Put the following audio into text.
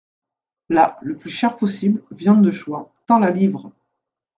Là, le plus cher possible, viande de choix, tant la livre !…